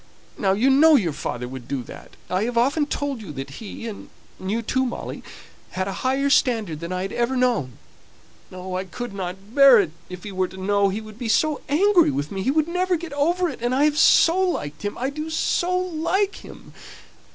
Now you know your father would do that. I have often told you that he (and you too, Molly,) had a higher standard than I had ever known. Oh, I couldn't bear it; if he were to know he would be so angry with me he would never get over it, and I have so liked him! I do so like him!"